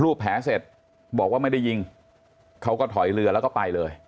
แผลเสร็จบอกว่าไม่ได้ยิงเขาก็ถอยเรือแล้วก็ไปเลย